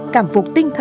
cảm phục tinh thần